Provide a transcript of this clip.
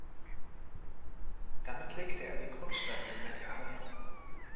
Damit legte er den Grundstein für seine Karriere.